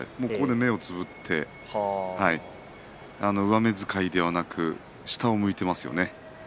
目をつぶって上目遣いではなく下を向いていますよね。